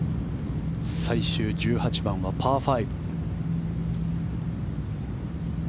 最終１８番はパー５。